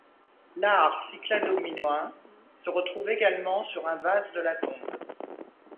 L'art cyclado-minoen se retrouve également sur un vase de la tombe.